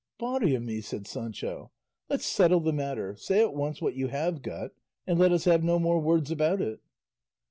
"Body o' me!" said Sancho, "let's settle the matter; say at once what you have got, and let us have no more words about it."